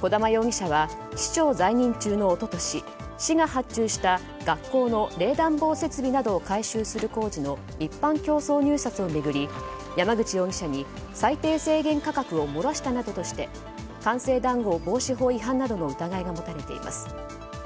児玉容疑者は市長在任中の一昨年学校が発注した冷暖房設備の改修する工事の一般競争入札を巡り山口容疑者に最低制限価格を漏らしたなどとして官製談合防止法違反などの疑いが持たれています。